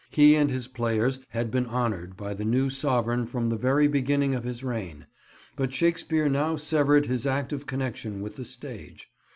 He and his players had been honoured by the new sovereign from the very beginning of his reign; but Shakespeare now severed his active connection with the stage.